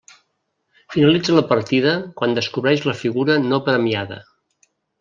Finalitza la partida quan descobreix la figura no premiada.